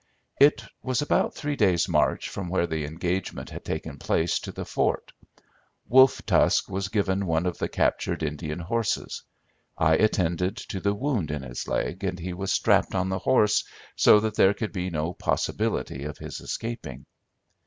"It was about three days' march from where the engagement had taken place to the fort. Wolf Tusk was given one of the captured Indian horses. I attended to the wound in his leg, and he was strapped on the horse, so that there could be no possibility of his escaping.